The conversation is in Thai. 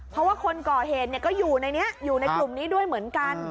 เพราะว่าคนก่อเหตุก็อยู่ในนี้อยู่ในกลุ่มนี้ด้วยเหมือนกัน